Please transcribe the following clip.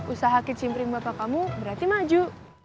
usaha kicim pling bapak kamu berarti maju